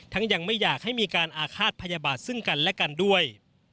ยังไม่อยากให้มีการอาฆาตพยาบาทซึ่งกันและกันด้วย